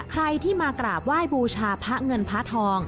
ใครที่มากราบไหว้บูชาพระเงินพระทอง